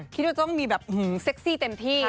คิดว่าจะต้องมีแบบเซ็กซี่เต็มที่